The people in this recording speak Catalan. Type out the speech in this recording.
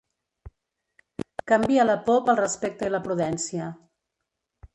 Canvia la por pel respecte i la prudència.